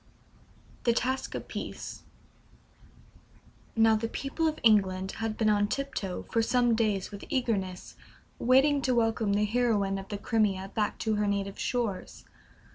THE TASKS OF PEACE. Now, the people of England had been on tiptoe for some days with eagerness, waiting to welcome the heroine of the Crimea back to her native shores.